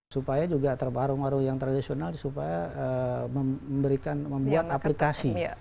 supaya juga tertarung warung yang tradisional supaya memberikan membuat aplikasi